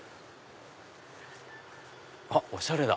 あっおしゃれだ！